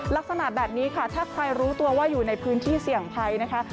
ลักษณะแบบนี้ค่ะถ้าใครรู้ตัวว่าอยู่ในพื้นที่เสี่ยงภัยนะคะ